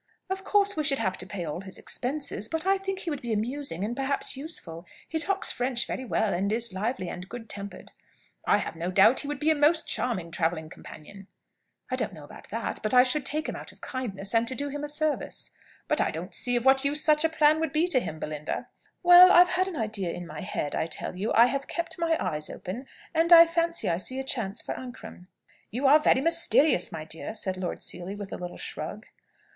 "Of course we should have to pay all his expenses. But I think he would be amusing, and perhaps useful. He talks French very well, and is lively and good tempered." "I have no doubt he would be a most charming travelling companion " "I don't know about that. But I should take him out of kindness, and to do him a service." "But I don't see of what use such a plan would be to him, Belinda." "Well, I've an idea in my head, I tell you. I have kept my eyes open, and I fancy I see a chance for Ancram." "You are very mysterious, my dear!" said Lord Seely, with a little shrug.